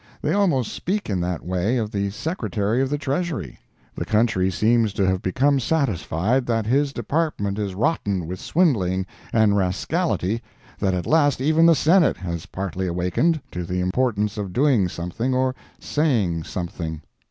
They almost speak in that way of the Secretary of the Treasury. The country seems to have become satisfied that his department is rotten with swindling and rascality, that at last even the Senate has partly awakened to the importance of doing something or saying something.